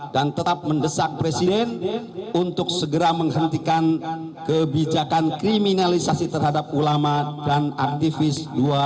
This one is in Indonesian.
dan tetap mendesak presiden untuk segera menghentikan kebijakan kriminalisasi terhadap ulama dan aktivis dua ratus dua belas